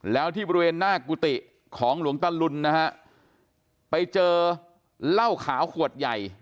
แล้วที่บริเวณหน้ากุฏิของหลวงตะลุนนะฮะไปเจอเหล้าขาวขวดใหญ่